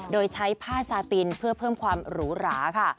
โดยใช้ผ้าซาตินเพื่อเพิ่มความหรูหราค่ะ